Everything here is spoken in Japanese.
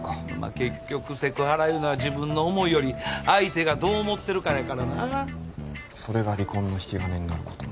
結局セクハラいうのは自分の思いより相手がどう思ってるかやからなそれが離婚の引き金になることも？